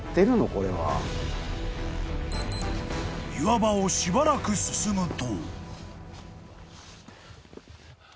［岩場をしばらく進むと］